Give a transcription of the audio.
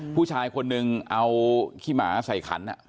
ผู้ชายคนนึงเอาขี้หมาใส่ขัน